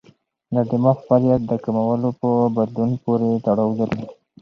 د دماغ فعالیت د کولمو په بدلون پورې تړاو لري.